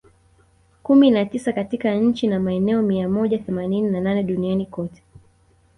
kumi na tisa katika nchi na maeneo mia moja themanini na nane duniani kote